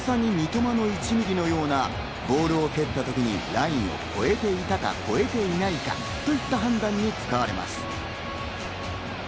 まさに「三笘の１ミリ」のようなボールを蹴ったときにラインを越えていたか、越えていないかといった判断に使われます。